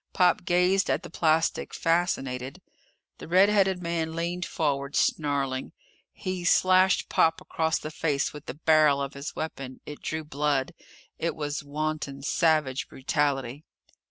Pop gazed at the plastic, fascinated. The red headed man leaned forward, snarling. He slashed Pop across the face with the barrel of his weapon. It drew blood. It was wanton, savage brutality.